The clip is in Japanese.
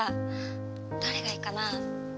どれがいいかな？